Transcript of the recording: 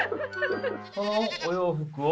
このお洋服を？